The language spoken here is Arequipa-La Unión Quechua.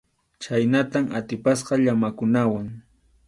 Chhaynatam atipasqa llamakunawan.